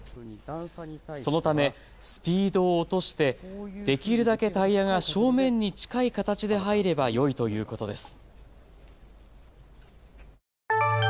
そのためスピードを落としてできるだけタイヤが正面に近い形で入ればよいということです。